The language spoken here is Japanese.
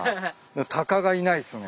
タカがいないっすね。